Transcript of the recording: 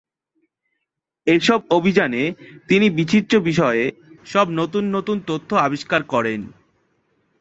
এসব অভিযানে তিনি বিচিত্র বিষয়ে সব নতুন নতুন তথ্য আবিষ্কার করেন।